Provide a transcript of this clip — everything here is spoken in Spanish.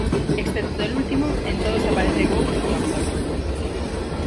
Excepto el último, en todos aparece Gould como actor.